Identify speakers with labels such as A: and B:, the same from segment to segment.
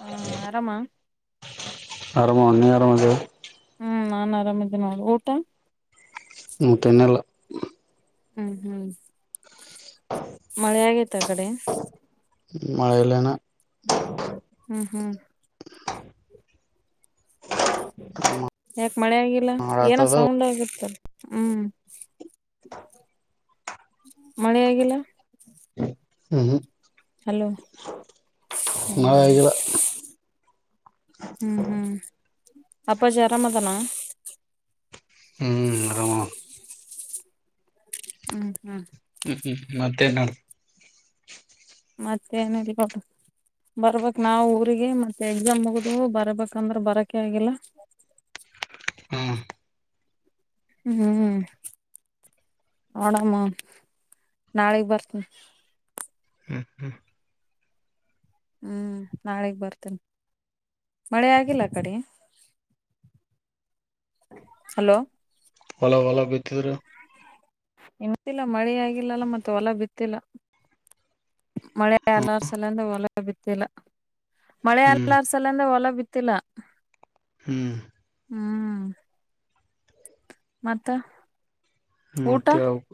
A: ಹ್ಮ ಆರಾಮಾ
B: ಆರಾಮ ನೋಡ ನೀನು ಆರಾಮದಿ
A: ಹ್ಮ್ ನಾನ್ ಆರಾಮಿದೀನ ಊಟ
B: ಊಟ ಇನ್ನಿಲ್ಲ.
A: ಹ್ಮ್ ಹ್ಮ್ ಮಳೆ ಆಗೇತ ಆ ಕಡೆ.
B: ಮಳೆಲ್ಲ ಇನ
A: ಹ್ಮ್ ಹ್ಮ್ ಯಾಕ ಮಳೆ ಆಗಿಲ್ಲ ಏನ
B: ಮಾಡತದ
A: ಸೌಂಡ್ ಆಗಿತ್ತಲ್. ಹ್ಮ್ ಮಳೆೆಯಾಗಿಲ್ಲ
B: ಹ್ಮ್ ಹ್ಮ್
A: ಹಲೋ
B: ಹ್ಮ್
A: ಹೌದ
B: ಮಳೆ ಆಗಿಲ್ಲ
A: ಹ್ಮ್ ಹ್ಮ್ ಅಪ್ಪಜಿ ಅರಾಮದಾನ
B: ಹ್ಮ್ ಅರಮನ್
A: ಹ್ಮ್ ಹ್ಮ್
B: ಹ್ಮ್ ಹ್ಮ್ ಹ್ಮ್ ಮತ್ತೇನ್ ನಡದ
A: ಮತ್ತ ಏನ ಇಲ್ಲ ನೋಡ. ಬರ್ಬೇಕ ನಾವ ಊರಿಗೆ ಮತ್ತೆ ಎಕ್ಸಾಮ್ ಮುಗದ ಬರ್ಬೇಕಂದ್ರ ಬರಕೆ ಆಗಿಲ್ಲ.
B: ಹ್ಮ
A: ಹ್ಮ್. ನೋಡಮ್ಮ ನಾಳಿಗ ಬರ್ತೀನಿ.
B: ಹ್ಮ್ ಹ್ಮ್.
A: ಹ್ಮ್ ನಾಳಿಗ್ ಬರ್ತೇನ ಮಳೆ ಆಗಿಲ್ಲ ಆ ಕಡಿ ಹಲೋ.
B: ಹೊಲ ಹೊಲ ಬಿತ್ತಿದ್ರ.
A: ಇನ್ನುಬಿತ್ತಿಲ್ಲ ಮಳೆಯ ಆಗಿಲ್ಲಲ ಮತ್ತ ಹೊಲ ಬಿತ್ತಿಲ್ಲ. ಮಳೆ ಅಗರ್ಸಲ್ಲಂದ ಹೊಲ ಬಿತ್ತಿಲ್ಲ. ಮಳೆ
B: ಹ್ಮ್
A: ಆಲ್ಲಾರ್ಸ ಸಂದೇ ಹೊಲ ಬಿತ್ತಿಲ್ಲ.
B: ಹ್ಮ್
A: ಹ್ಮ್ ಮತ್ತ. ಊಟ
B: ಮತ್ತ ಹೇಳಬೇಕು.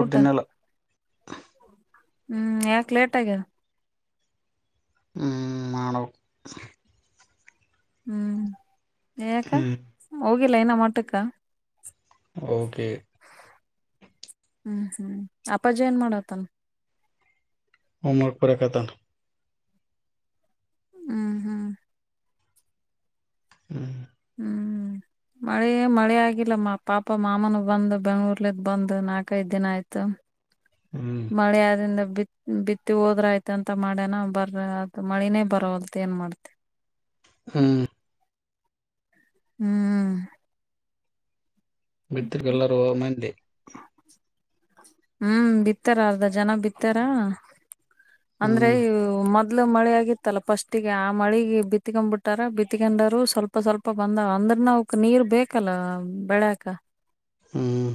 A: ಊಟ ಹ್ಮ್ ಯಾಕ ಲೇಟ್ ಆಗ್ಯದ.
B: ಹ್ಮ ಮಾಡಬೇಕ.
A: ಹ್ಮ್ ಯಾಕ
B: ಹ್ಮ್
A: ಹೋಗಿಲ್ಲ ಇನ ಮಟಕ್ಕ
B: ಓಕೆ.
A: ಹ್ಮ್ ಹ್ಮ್ ಅಪ್ಪಾಜಿ ಏನ್ ಮಾಡಕತನ್.
B: ಹೋಮ್ ವರ್ಕ್ ಬರೆಕತನ
A: ಹ್ಮ್ ಹ್ಮ್
B: ಹ್ಮ್ ಹಮ್
A: ಹ್ಮ್
B: [inaudible]
A: ಮಳೆ ಮಳೆ ಆಗಿಲ್ಲಮ್ಮ ಪಾಪ ಮಾಮನ ಬಂದು ಬೆಂಗಳೂರ್ಲದ ಬಂದು ನಾಕೈದ್ ದಿನ ಆಯ್ತು.
B: ಹ್ಮ್
A: ಮಳೆ ಆದಿಂದ ಬಿತ್ತ ಬಿತ್ತಿ ಹೋದ್ರ ಆಯ್ತ ಅಂತ ಮಾಡ್ಯನ ಬರ್ರ ಅದು ಮಳಿನೇ ಬರವಲ್ದ ಏನ್ ಮಾಡ್ತೆ.
B: ಹ್ಮ್
A: ಹ್ಮ್
B: ಬಿತ್ರಿಗ್ ಎಲ್ಲರುವ ಮಂದಿ.
A: ಹ್ಮ್ ಬಿತ್ತಾರ ಅರ್ಧ ಜನ ಬಿತ್ತಾರ. ಅಂದ್ರೆ
B: ಹ್ಮ್
A: ಮೊದ್ ಮೊದ್ಲು ಮಳೆಯಗಿತ್ತಲ್ಲ ಪಷ್ಟಿಗೆ ಆ ಮಳಿಗೆ ಬಿತ್ಕೆಂಬಿಟರ ಬಿತ್ಕೆಂಡರು ಸ್ವಲ್ಪ ಸ್ವಲ್ಪ ಬಂದವ ಅಂದ್ [unintelligible] ನಾವುಕ ನೀರ್ ಬೇಕಲ್ಲ ಬೆಳಕ.
B: ಹ್ಮ.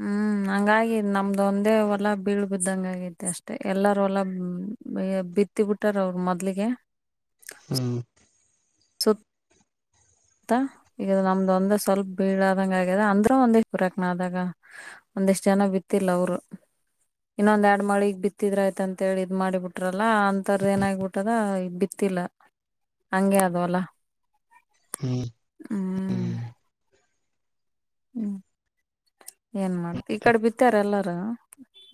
A: ಹ್ಮ್. ಹಂಗಾಗಿ ನಮ್ದ ಒಂದೇ ಹೊಲ ಬಿಳ್ಬಿದಂಗ್ ಹಂಗಗೈತಿ ಅಷ್ಟೇ ಎಲ್ಲರ ಒಲ ಹ್ಮ್ಮ್ ಹೈ. ಬಿತ್ತಿ ಬಿಟ್ಟಾರ ಅವರು ಮೊದ್ಲಿಗೆ.
B: ಹ್ಮ್.
A: ಸುತ್ ತಾ ಈಗ ನಮ್ದ ಒಂದ ಸ್ವಲ್ಪ ಬೀಳಾದಂಗ್ ಆಗ್ಯದ ಅಂದ್ರ ಒಂದ್ ಎಷ್ಟ್ [unintelligible] ಆದಾಗ. ಒಂದಿಷ್ಟ್ ಜನ ಬಿತ್ತಿಲ್ಲ ಅವ್ರು. ಇನ್ನೊಂದ್ ಎರಡ್ ಮಳಿಗ್ ಬಿತ್ತಿದ್ರಯ್ತ ಅಂತ್ ಹೇಳಿ ಇದ್ ಮಾಡಿ ಬಿಟ್ರಲ್ಲಾ ಅಂತರ್ ಏನ್ ಆಗ್ಬುಟದ ಈಗ ಬಿತ್ ಇಲ್ಲ ಹಂಗೆ ಅದ ವಲ.
B: ಹ್ಮ್ ಹ್ಮ್.
A: ಹ್ಮ್. ಏನ್ ಮಾಡ್ತಿ ಈಕಡೆ ಬಿತ್ತಾರ ಎಲ್ಲಾರು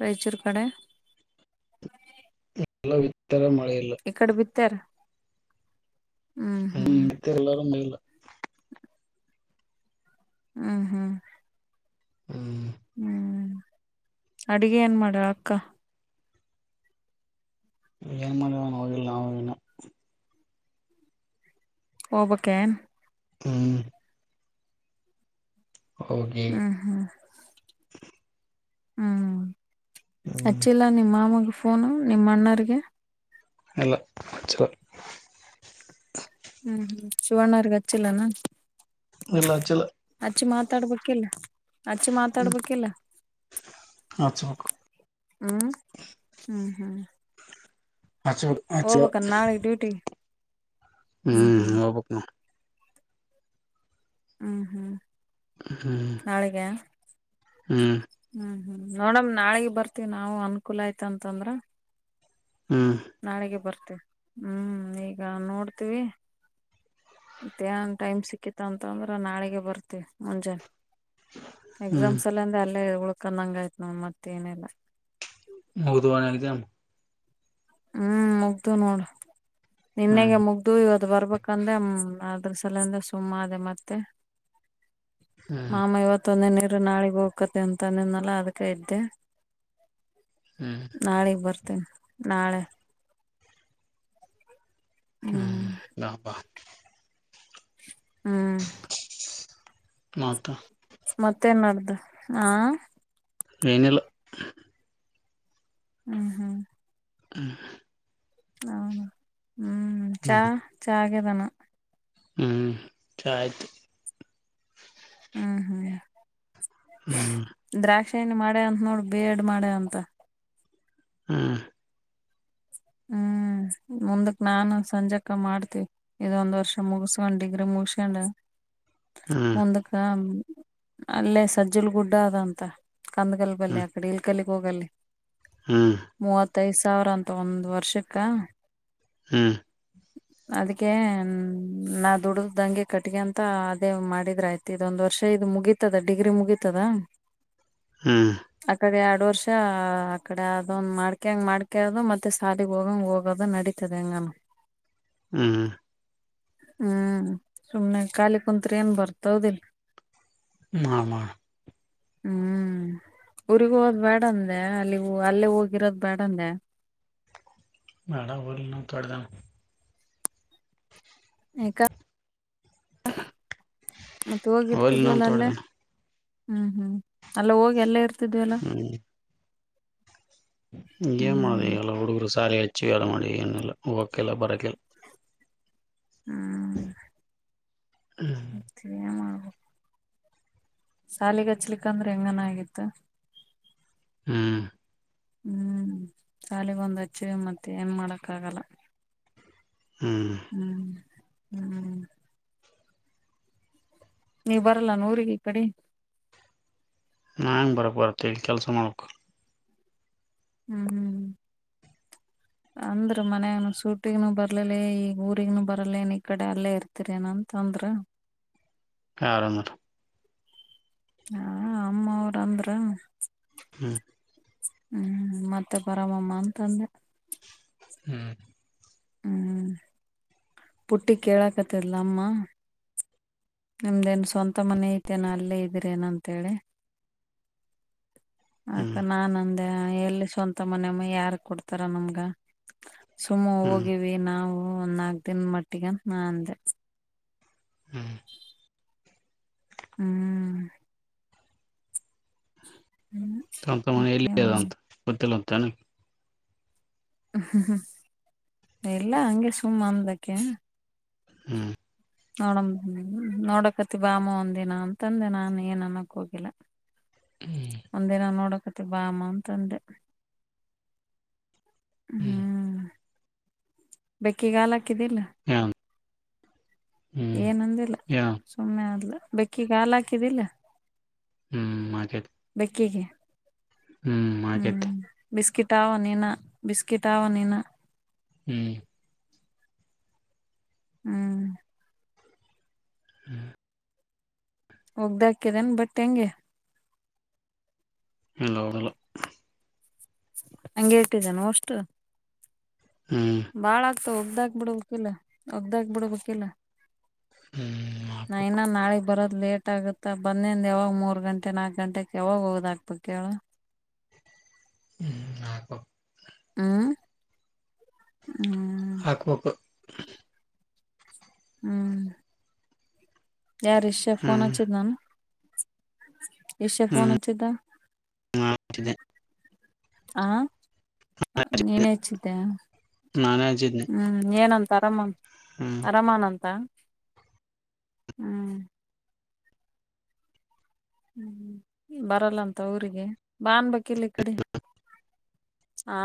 A: ರಾಯ್ಚೂರ್ ಕಡೆ.
B: ಎಲ್ಲ ಬಿತ್ತಾರ ಮಳೆ ಇಲ್ಲ
A: ಇಕಡೆ ಬಿತ್ತಾರ.
B: ಹ್ಮ್ ಇತ್ತ ಎಲ್ಲರು. [unintelligible]
A: ಹ್ಮ ಹ್ಮ.
B: ಹ್ಮ್.
A: ಅಡಿಗೆ ಏನ್ ಮಾಡ್ಯಳ್ ಅಕ್ಕ.
B: ಏನ್ ಮಾಡ್ಯಾಳ್ ಹೋಗಿಲ್ಲ ನಾವು ಇನ್ನು.
A: ಒಬಕನ್.
B: ಹ್ಮ. ಹೋಗಿ.
A: ಹ್ಮ್ ಹ್ಮ್ ಹ್ಮ್
B: ಹ್ಮ್
A: ಹಚ್ಚಿಲ್ಲ ನಿಮ್ಮ ಮಾಮೂಗ್ ಫೋನು ನಿಮ್ ಅಣ್ಣರಿಗೆ.
B: ಇಲ್ಲ ಆಗಲ್ಲ.
A: ಹ್ಮ್ ಹ್ಮ್ ಶಿವಣ್ಣರಿಗ್ ಹಚ್ಚಿಲೇನು.
B: ಇಲ್ಲಾ ಹಚ್ಚಿಲ್ಲ.
A: ಅಚ್ಚಿ ಮಾತಾಡ್ಬೇಕಿಲ್ಲ ಆಚ್ಚೆ ಮಾತಾಡ್ಬೇಕಲ್ಲ.
B: ಹಚ್ಬೇಕು
A: ಹ್ಮ್ ಹ್ಮ್ ಹ್ಮ್.
B: ಹಚ್ಬೇಕು ಹಚ್ಚ
A: ಹೋಬಕನ್ ನಾಳೆ ಡ್ಯೂಟಿಗೆ.
B: ಹ್ಮ್ ಹೋಬಕ್ ನೋಡ್.
A: ಹ್ಮ್ ಹ್ಮ್
B: ಹ್ಮ್
A: ನಾಳಿಗೆ.
B: ಹ್ಮ್.
A: ಹ್ಮ ನೋಡಮ್ ನಾಳಿಗ್ ಬರ್ತಿವ್ ನಾವು ಅನ್ಕೂಲ್ ಆಯ್ತು ಅಂತಂದ್ರ.
B: ಹ್ಮ್
A: ನಾಳೆಗೆ ಬರ್ತೀವಿ ಹ್ಮ್ ಈಗ ನೋಡ್ತೀವಿ. ಮತೇನ್ ಟೈಮ್ ಸಿಕ್ಕಿತ ಅಂತ ಅಂದ್ರ ನಾಳಿಗೆ ಬರ್ತೀವಿ ಮುಂಜಾನೆ.
B: ಹ್ಮ್
A: ಎಕ್ಸಾಮ್ಸ್ ಅಲ್ಲ ಅಂದ ಅಲ್ಲೇ ಉಳ್ಕೊಂದಂಗಯ್ತ್ ನೋ ಮತ್ ಏನಿಲ್ಲ.
B: ಮುಗುದ್ವಾನ್ ಎಕ್ಸಾಮೂ.
A: ಹ್ಮ್ ಮುಗ್ದು ನೋಡು
B: ಹ್ಮ್
A: ನಿನ್ನೆಗೆ ಮುಗ್ದು ಇವತ್. ತ್ ಬರ್ಬೇಕಂದೆ ಹ್ಮ್ಮ್ ಅದ್ರ ಸಲ ಇಂದ ಸುಮ್ನಾದೆ ಮತ್ತೆ.
B: ಹ್ಮ್
A: ಮಾಮ ಇವತ್ತೊಂದೆನ್ ಇರು ನಾಳಿಗ್ ಹೋಕತೆ ಅಂತ್ ಅಂದಿದ್ದ್ನಲ್ಲ ಅದ್ಕ ಇದ್ದೆ.
B: ಹ್ಮ್
A: ನಾಳಿಗ್ ಬರ್ತೇನ್ ನಾಳೆ.
B: ಹ್ಮ್. [unintelligible]
A: ಹ್ಮ್.
B: ಮತ.
A: ಮತ್ತೆನ್ ಮಾಡದು ಹಾ.
B: ಎನಿಲ್ಲ.
A: ಹ್ಮ್ ಹ್ಮ್
B: ಹ
A: ಹೌದ ಹ್ಮ್ ಚಾ ಚಹ ಆಗದಾನ.
B: ಹ್ಮ್ ಚಾ ಆಯ್ತು.
A: ಹ್ಮ್ ಹ್ಮ್
B: ಹ್ಮ್
A: ಯೇನ್ ಮಾಡ್ಯಾ ಅಂತ ನೋಡ ಬೇ ಎಡ್ ಮಾಡ್ಯ ಅಂತ.
B: ಹ್ಮ
A: ಹ್ಮ್ ಹ ಮುಂದಕ್ ನಾನು ಸಂಜಕ ಮಾಡ್ತನಿ ಇದೊಂದ್ ವರ್ಷ ಮುಗಸ್ಕೊಂಡ್ ಡಿಗ್ರಿ ಮುಗಸಕೊಂಡ.
B: ಹ್ಮ್
A: ಮುಂದಕ್ಕ ಅಲ್ಲೇ ಸಜ್ಜಲ್ ಗುಡ್ಡ ಅದಂತ. ಕಂದಕಲ್ಬಲ್ಲಿ ಅಕ್ಕಡೆ ಇಲಕಲ್ಲಿ ಹೋಗಲಿ.
B: ಹ್ಮ
A: ಇಪತ್ತೈದ ಸಾವಿರ ಅಂತ ಒಂದ ವರ್ಷಕ್ಕ.
B: ಹ್ಮ್
A: ಅದಕ್ಕೆ ನಾ ದುಡ್ದ್ದಂಗೆ ಕಟ್ಟ್ಕಅಂತ ಅದೇ ಮಾಡಿದ್ರ ಆಯ್ತಿ ಇದೊಂದು. ವರ್ಷ ಇದು ಮುಗೀತದ ಡಿಗ್ರಿ ಮುಗೀತದ.
B: ಹ್ಮ್
A: ಅಕಡೆ ಎರಡು ವರ್ಷ ಆಕಡೆ ಅದೊಂದ ಮಾಡ್ಕೆಂಗ ಮಾಡ್ಕೆ ಅದು ಮತ್ತ್ [unintelligible] ತ್ತ ಸಾಲಿಗೆ ಹೋಗ ಹೋಗೋದ ನಡೀತದೆಂಗಾಮ.
B: ಹ್ಮ
A: ಹ್ಮ್ ಸುಮ್ನೆ ಕಾಲಿ ಕುಂತ್ರಿ ಏನ್ ಬರ್ತಾ ದೌದಿಲ್ಲ.
B: ಮಾಡ ಮಾಡ
A: ಹ್ಮ್ ಊರಿಗ್ ಹೋಗದ್ ಬೇಡ ಅಂದೆ ಅಲ್ಲಿ ಅಲ್ಲೇ ಹೋಗಿರೋದ್ ಬೇಡಂದೆ.
B: ಬಾಡ ಬಲ ತಡದನ.
A: ಯಾಕ. ಮತ್ತ
B: ಹೋಗ್ಲಿ
A: ಹೋಗಿರ್ತಿದ್ವ
B: ನಾವು
A: ಅಲ್ಲೇ.
B: ತೊಡ್ದಾನ
A: ಹ್ಮ್ ಹ್ಮ್ ಅಲ್ಲ ಹೋಗಿ ಅಲ್ಲೆ ಇರ್ತಿದ್ವಲ್ಲ.
B: ಹ್ಮ್ ಏನ್ ಮಾಡುದು
A: ಹ್ಮ್
B: ಎಲ್ಲ ಹುಡುಗರು ಸಾಲೆಗ್ ಹಚ್ಚಿವ ಎಲ್ಲ ಮಾಡಿ ಏನೆಲ್ಲ ಹೋಗಕೆಲ್ಲ ಬರಕೆಲ್ಲ.
A: ಹ್ಮ್
B: ಹ್ಮ್
A: [unintelligible] ಶಾಲಗ ಹಚ್ಲಿಕ್ಕ ಅಂದ್ರೆ ಹೆಂಗನ ಆಗಿತ್ತು.
B: ಹ್ಮ
A: ಹ್ಮ್ ಶಾಲೆಗ ಒಂದ್ ಹಚ್ಚಿವ ಮತ್ತೆ ಏನ್ ಮಾಡಕ್ ಆಗಲ್ಲ.
B: ಹ್ಮ
A: ಹ್ಮ್ ಹ್ಮ್ ನೀವ್ ಬರಲ್ಲ ನ ಊರಿಗೆ ಈ ಕಡೆ.
B: ಹ್ಮ ಬರಕ್ ಬರತ್ತೆ ಇ ಕೆಲಸ ಮಾಡ್ಬೇಕು.
A: ಹ್ಮ್ ಹ್ಮ್
B: [inaudible]
A: ಅಂದ್ರ ಮನಯಾಗ ಸೂಟಿಗುನುೂ ಬರ್ಲಲಿ ಈಗ ಊರಿಗ್ನು ಬರ್ಲ್ಲ ನ್ ಈ ಕಡೆ ಅಲ್ಲೇ ಇರ್ತರಿ ಏನಂತ. ಅಂದ್ರ
B: ಯಾರಂದರ
A: ಹಾ ಅಮ್ಮವ್ರಂದ್ರ.
B: ಹ್ಮ
A: ಹ್ಮ್ ಮತ್ತೆ ಪರಮಮ್ಮ ಅಂತಂದೆ.
B: ಹ್ಮ್
A: ಹ್ಮ್ ಪುಟ್ಟಿ ಕೇಳಕತ್ತ್ದಲ್ಲ ಅಮ್ಮ. ನಿಮ್ದೇನ್ ಸ್ವಂತ ಮನ ಐತೆನ ಅಲ್ಲೇ ಇದೀರೇನ ಅಂತೇಳಿ. ಅದಕ್ಕ
B: ಹ್ಮ್
A: ನಾನ್ ಅಂದೆ ಎಲ್ಲಿ ಸ್ವಂತ ಮನೆಮ್ಮ ಯಾರ್ ಕೊಡ್ತಾರ ನಮ್ಗ ಸುಮ್ಮ
B: ಹ್ಮ್
A: ಹೋಗಿವಿ ನಾವು ಒಂದ್ ನಾಕ್ ದಿನದ್ ಮಟ್ಟಿಗಂತ್ ನಾ ಅಂದೆ.
B: ಹ್ಮ್
A: ಹ್ಮ್ ಹ್ಮ್
B: ತಮ್ ತಮ್ಮ್
A: ಮತ್ತ
B: ಎಲ್ಲಿ
A: ಏನ್
B: ಅ
A: ಮಾಡ
B: ಅಂತ ಗೊತ್ತಿಲ್ಲ ಅಂತನ,
A: ಊ ಹ್ಮ್ ಹ್ಮ್ ಎಲ್ಲ ಹಂಗೆ ಸುಮ್ ಅಂದ್ಲಾಕಿ.
B: ಹ್ಮ್
A: ನೋಡಮ್ ನೋಡಕತಿ ಬಾಮ ಒಂದಿನ ಅಂತಂದೆ ನಾನ್ ಏನ್ ಅನ್ನಕ್ ಹೋಗಿಲ್ಲ.
B: ಹ್ಮ್
A: ಒಂದಿನ ನೋಡಕತಿ ಬಾ ಮ ಅಂತಂದೆ.
B: ಹ್ಮ್
A: ಬೆಕ್ಕಿಗ್ ಹಾಲ್ ಹಾಕಿದ್ದಿಲ್ಲ,
B: ಯ ಹ್ಮ್
A: ಏನಂದಿಲ್ಲ
B: ಯ
A: ಸುಮ್ಮನೆ ಅದ್ಲು ಬೆಕ್ಕಿಗ್ ಹಾಲ್ ಹಾಕಿದಿಲ್ಲ.
B: ಹ್ಮ್ ಹಾಕೆ
A: ಬೆಕ್ಕಿಗೆ
B: ಆಕೇತಿ
A: ಹ್ಮ್ ಬಿಸ್ಕಿಟ್ ಆವ ನೀನ ಬಿಸ್ಕಿಟ್ ಆವ ನೀನ.
B: ಹ್ಮ್
A: ಹ್ಮ್
B: ಹ್ಮ್
A: ಒಗ್ದಾಕ್ಯದೆನ್ ಬಟ್ಟ್ ಹಂಗೆ
B: ಇಲ್ಲ ಓಗ್ದಿಲ್ಲ.
A: ಹಂಗೆ ಇಟ್ಟಿದೇನ್ ಅವೊಷ್ಟು.
B: ಹ್ಮ್
A: ಪ ಒಗ್ದಾಕ್ ಬಿಡ್ಬೇಕಿಲ್ಲ ಒಗ್ದಾಕ್ ಬಿಡ್ಬೇಕಿಲ್ಲ.
B: ಹ್ಮ್ ಹಾಕ್ಬೇಕು
A: ಇನ್ನ ನಾಳೆಗ್ ಬರ ಲೇಟ್ ಆಗುತ್ತಾ ಬಂದಿಂದ ಯಾವಾಗ ಮೂರ್ ಗಂಟೆ ನಾಕ್ ಗಂಟೆಕ್ ಯಾವಾಗ ಓಗ್ದಾಕ್ಬೇಕ್ ಹೇಳು.
B: ಹ್ಮ್ ಹಾಕೊ
A: ಊ ಮ್
B: ಹಾಕ್ಬಕು.
A: ಹ್ಮ್ ಯಾರ್ ಇಶ್ಯ ಫೋನ್
B: ಹ್ಮ್
A: ಹಚ್ಚಿದ್ನನು ಇಶ್ಯ ಫೋನ್ ಹಚ್ಚಿದ್ದ.
B: ತಿದ್ನೆ
A: ಹ ನೀನೆ ಹಚ್ಚಿದ್ಯ
B: ನಾನೇ ಹಚ್ಚಿದ್ನೆ
A: ಹ್ಮ್ ಏನನ್ ಪರಮ
B: ಹ್ಮ್
A: ಅರಮಾಣಂತ ಹ್ಮ್. ಹ್ಮ ಬರಲ್ಲಂತ ಊರಿಗೆ ಬಾ ಅನ್ಬೇಕಿಲ್ಲ್ ಈ ಕಡೆ ಆ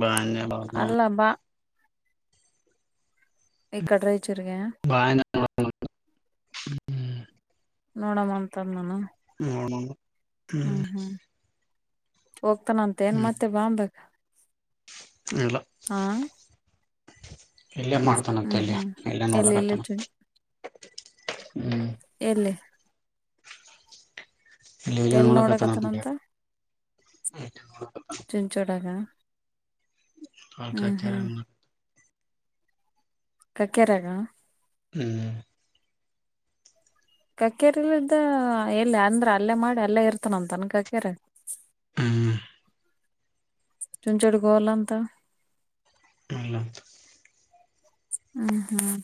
B: ಬಾನ್ಯ
A: ಅಲ್ಲ ಬಾ
B: [unintelligible]
A: ಈ ಕಡ್ ರಾಯ್ಚೂರ್ಗೇ.
B: ಬಾಂದೆ
A: ನೋಡಮ್ಮ ಅಂತಾರ್ನನು.
B: ನೋಡ್ ಮಂದ ಹ್ಮ್
A: ಹೋಗ್ತಾನಂತ ಏನ್
B: ಹ್ಮ್
A: ಮತ್ತೆ ಬಾಂಬೇಗ್
B: ಇಲ್ಲ
A: ಹಾ
B: ಇಲ್ಲೇ ಮಾಡ್ತಾನಂತ
A: ಹ್ಮ್
B: ಇಲ್ಲೆ
A: ಹ್ಮ್
B: ಇಲ್ಲೆ
A: ಎಲ್ಲಿ ಇಲ್ಲಿ
B: ನೋಡಕತ್ತನ
A: ಚು
B: ಹ್ಮ್
A: ಎಲ್ಲಿ
B: ಇಲ್ ಎಲ್ಲೋ
A: ಎಲ್
B: ನೋಡಾಕತ್ತಾನ ದುಡ್
A: ನೋಡಕತ್ತನಂತ ಚುಂಚೋಡಾಗ
B: ಅವ್ನ್
A: ಹ್ಮ್
B: ಕತೆ
A: ಹ್ಮ್
B: ರನ್ನ
A: ಕಕ್ಕೆರ್ಯಗ
B: ಹ್ಮ್
A: ಕಕ್ಕೇರಿಲಿದ್ದ ಎಲ್ ಅಂದ್ರ ಅಲ್ಲೇ ಮಾಡಿ ಅಲ್ಲೇ ಇರ್ತನಂತನ್ ಕಕ್ಕೇರಿಯ
B: ಹ್ಮ್
A: ನಿಮ್ ಜೋಡಿಗ್ ಹೋಗಲ್ಲಂತ
B: ಇಲ್ಲಂತ
A: ಹ್ಮ ಹ್ಮ್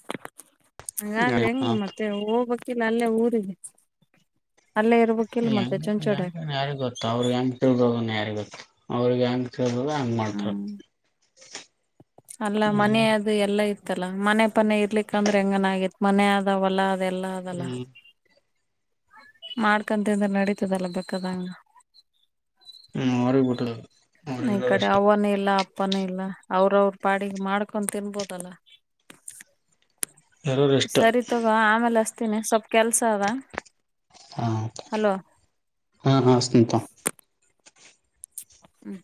A: ಹಂಗಾದ್ರ್ ಹೆಂಗ್ ಮತ್ತೆ ಹೋಗ್ಬಕ್ ಅಲ್ಲೇ ಊರರಿಗೆ
B: ಂಂಗ ಯಾರಿಿಗೆ ಗೊತ್ತು ಅವ್ರಿಗೆ ಹೆಂಗ ತಿ ಯಾರಿ ಗೊತ್ತು ಅವ್ರಿಗೆ ಹೆಂಗ ಹಂಗ ಮಾಡ್ತಾರೆ
A: ಹ್ಮ್ ಅಲ್ಲ ಮನೆ ಅದು ಎಲ್ಲ ಇ ಆತ್ತಲ್ಲಾ ಮನೆ ಪನೆ ಇರ್ಲಿಕ್ಕ ಅಂದ್ರೆ ಹೆಂಗನ ಆಗತ್ ಮನೆ ಆದ ಹೊಲ ಅದ ಎಲ್ಲಾ ಅದಲ್ಲ
B: ಹ್ಮ್
A: ಮಾಡ್ಕಂತಂದ್ರೆ ನಡೀತದಲ್ಲ ಬೇಕದಂಗ
B: ಹ್ಮ ಆರೋಗ ಬಿಟ್ಟ
A: ಈ ಈ ಕಡೆ ಅವನ ಎಲ್ಲ ಪ್ಪನ ಇಲ್ಲ ಅವ್ರ ಅವರು ಪಾಡಿಗೆ ಮಾಡ್ಕ ತಿನ್ಬೋದಲ್ಲ
B: ಇರೋರಿಷ್ಟ
A: ಸರಿ ತಗೋ ಆಮೇಲೆ ಅಸ್ತೀನಿ ಸ್ವಲ್ಪ್ ಕೆಲ್ಸ ಅದ
B: ಹಾ
A: ಹಲೋ
B: ಹಾ ಹಾ ವಸ್ ತ
A: ಹ್ಮ್